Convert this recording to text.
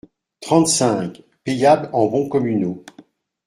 trente-cinq, payable en bons communaux.